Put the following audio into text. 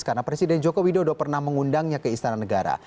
karena presiden joko widodo pernah mengundangnya ke istana negara